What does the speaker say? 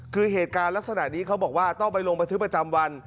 คือเหตุการณ์ลักษณะนี้เขาบอกว่าต้องไปลงบันทึกประจำวัน